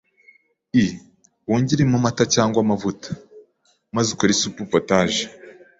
i, wongeremo amata cyangwa amavuta, maze ukore isupu potaje